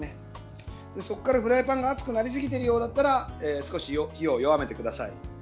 そこから、フライパンが熱くなりすぎてるようだったら少し火を弱めてください。